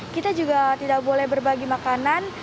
kita juga tidak boleh berbagi makanan